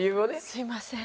すいません。